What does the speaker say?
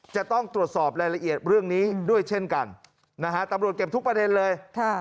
จะต้องตรวจสอบรายละเอียดเรื่องนี้ด้วยเช่นกันนะฮะตำรวจเก็บทุกประเด็นเลย